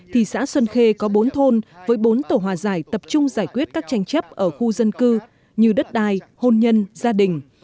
thì xã xuân khê có bốn thôn với bốn tổ hòa giải tập trung giải quyết các tranh chấp ở khu dân cư như đất đai hôn nhân gia đình